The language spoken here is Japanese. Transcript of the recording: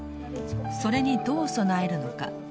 それにどう備えるのか。